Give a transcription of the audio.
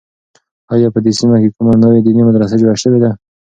آیا په دې سیمه کې کومه نوې دیني مدرسه جوړه شوې ده؟